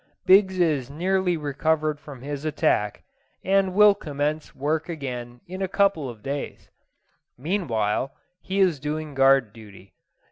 Biggs is nearly recovered from his attack, and will commence work again in a couple of days; meanwhile, he is doing guard duty.